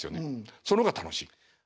その方が楽しい。